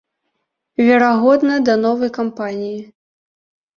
Верагодна, да новай кампаніі.